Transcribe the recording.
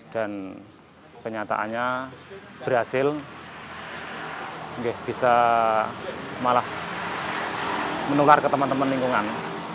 dan kenyataannya berhasil bisa malah menular ke teman teman lingkungan